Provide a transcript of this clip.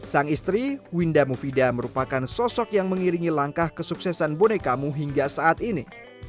sang istri winda mufida merupakan sosok yang mengiringi langkah kesuksesan bonekamu hingga saat ini